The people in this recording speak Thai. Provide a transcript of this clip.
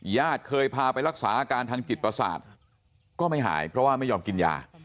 ญาติเคยพาไปรักษาอาการทางจิตประสาทก็ไม่หายเพราะว่าไม่ยอมกินยา